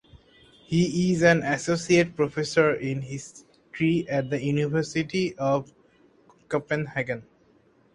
He is an associate professor in history at the University of Copenhagen.